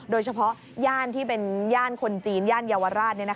โดยเฉพาะเยั่นที่เป็นย่านคนจีนเยั่นเยาวราช